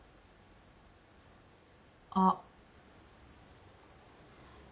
あっ。